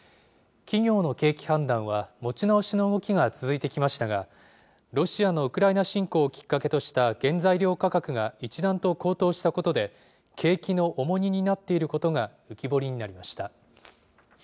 企業の景気判断は持ち直しの動きが続いてきましたが、ロシアのウクライナ侵攻をきっかけとした原材料価格が一段と高騰したことで、景気の重荷になっていることが浮き彫りになりました。